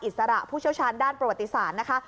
อิสระผู้เชี่ยวชาญด้านประวัติศาสตร์นะคะ